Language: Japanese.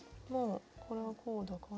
これはこうだから。